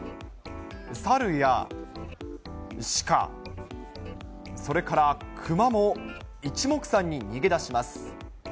サルやシカ、それからクマも、一目散に逃げ出します。